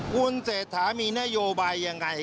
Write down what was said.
คุณเศรษฐามีนโยบายยังไง